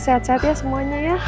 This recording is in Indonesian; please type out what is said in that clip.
sehat sehat ya semuanya ya